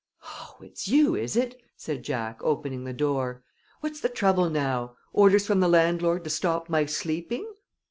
"Oh, it's you, is it?" said Jack, opening the door. "What's the trouble now? Orders from the landlord to stop my sleeping?"